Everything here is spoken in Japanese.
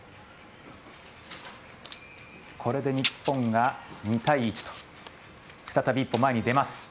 これで日本が２対１と再び一歩前に出ます。